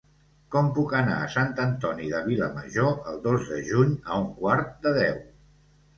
Com puc anar a Sant Antoni de Vilamajor el dos de juny a un quart de deu?